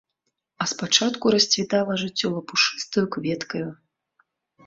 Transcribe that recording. А спачатку расцвітала жыццё лапушыстаю кветкаю.